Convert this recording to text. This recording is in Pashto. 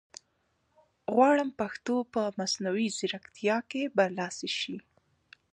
غواړم پښتو په مصنوعي ځیرکتیا کې برلاسې شي